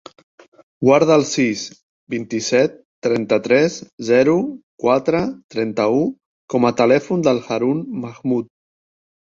Guarda el sis, vint-i-set, trenta-tres, zero, quatre, trenta-u com a telèfon de l'Haroun Mahmood.